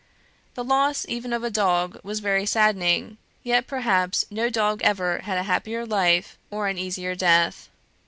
The loss even of a dog was very saddening; yet, perhaps, no dog ever had a happier life, or an easier death."